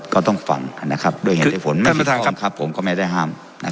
ก็ต้องฟังนะครับด้วยง่ายที่ผมครับผมก็ไม่ได้ห้ามนะครับ